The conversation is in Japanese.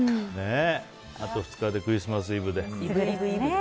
あと２日かでクリスマスイブで。